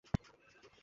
নিজেকে কি ভাবো তুমি?